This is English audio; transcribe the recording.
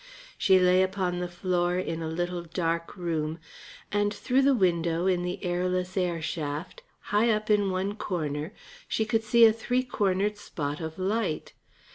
She lay upon the floor in a little dark room, and through the window in the airless air shaft, high up in one corner, she could see a three cornered spot of light.